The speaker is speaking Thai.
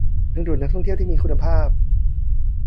ดึงดูดนักท่องเที่ยวที่มีคุณภาพ